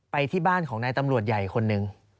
ไปที่บ้านของนายตำรวจใหญ่คนหนึ่ง